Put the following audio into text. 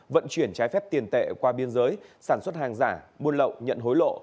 vận chuyển trái phép tiền tệ qua biên giới sản xuất hàng giả buôn lậu nhận hối lộ